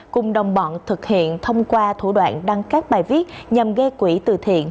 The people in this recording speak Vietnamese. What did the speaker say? cùng đồng bọn thực hiện thông qua thủ đoạn đăng các bài viết nhằm gây quỹ từ thiện